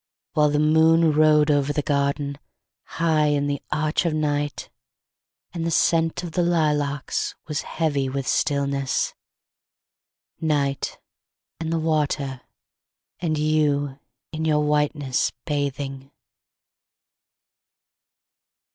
While the moon rode over the garden, High in the arch of night, And the scent of the lilacs was heavy with stillness. Night, and the water, and you in your whiteness, bathing!